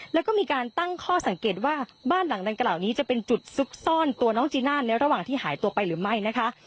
แล้วก็มีการตั้งข้อสังเกตว่าบ้านหลังดังกล่าวนี้จะเป็นจุดซุกซ่อนตัวน้องจีน่าในระหว่างที่หายตัวไปหรือไม่นะคะ